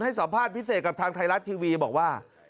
ให้สัมภาษณ์พิเศษกับทางไทยรัฐทีวีบอกว่า